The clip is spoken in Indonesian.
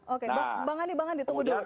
oke bang andi tunggu dulu